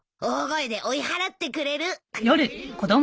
大声で追い払ってくれる。